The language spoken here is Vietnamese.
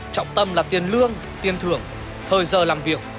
trọng tâm là tiền lương tiền thưởng thời giờ làm việc